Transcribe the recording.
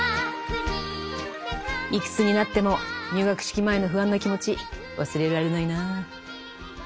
いくつになっても入学式前の不安な気持ち忘れられないなぁ。